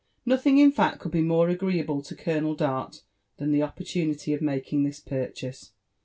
Nothing, in fact, could be more agreeable to Colonel Dart than the opportunity of making this purchase.